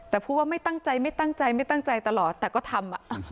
แต่พูดว่าไม่ตั้งใจไม่ตั้งใจไม่ตั้งใจตลอดแต่ก็ทำ